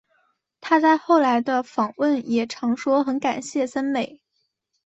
她在后来的访问也常说很感谢森美。